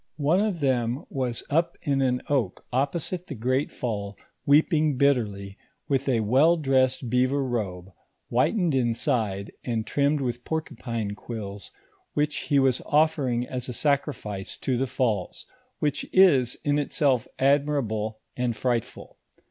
II « J : In 4 one of them was up in an oak opposite the great fall weeping bitterly, with a well dressed beaver robe, whitened inside and trimmed with porcupine quills which he was offering as a sacrifice to the falls, which is in itself admirable and fright ful.